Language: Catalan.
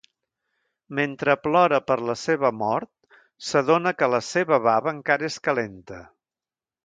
Mentre plora per la seva mort, s"adona que la seva bava encara és calenta.